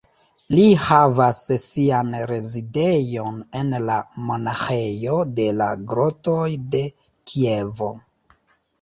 Li havas sian rezidejon en la Monaĥejo de la Grotoj de Kievo.